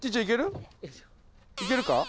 行けるか？